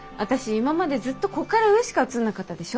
今までずっとこっから上しか映んなかったでしょ？